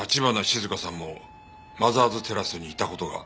橘静香さんもマザーズテラスにいた事が？